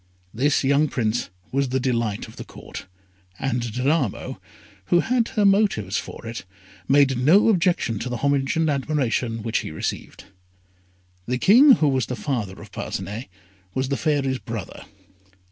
This young Prince was the delight of the Court, and Danamo, who had her motives for it, made no objection to the homage and admiration which he received. The King who was the father of Parcinet was the Fairy's brother.